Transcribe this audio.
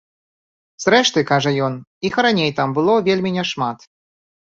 Зрэшты, кажа ён, іх і раней там было вельмі не шмат.